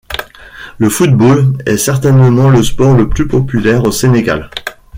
Le football est certainement le sport le plus populaire au Sénégal.